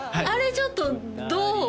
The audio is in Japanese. あれちょっとどう？